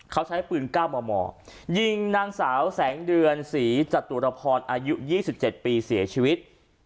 เขาใช้ปืน๙มมยิงนางสาวแสงเดือนศรีจตุรพรอายุ๒๗ปีเสียชีวิต